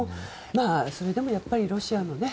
それでもやっぱりロシアの。